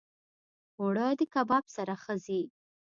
اوړه د کباب سره ښه ځي